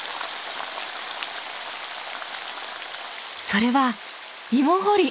それは芋掘り。